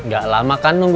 gak ada gudang